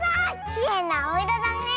きれいなあおいろだねえ。